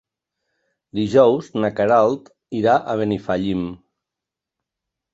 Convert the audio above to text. Dijous na Queralt irà a Benifallim.